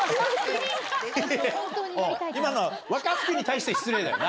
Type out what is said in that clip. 今のは若槻に対して失礼だよな。